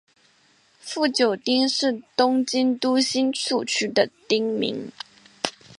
富久町是东京都新宿区的町名。